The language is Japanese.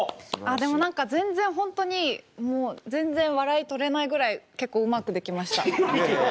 でも何か全然ホントにもう全然笑い取れないぐらい結構うまくできました。